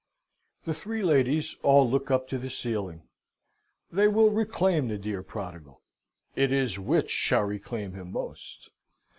The three ladies all look up to the ceiling. They will reclaim the dear prodigal. It is which shall reclaim him most.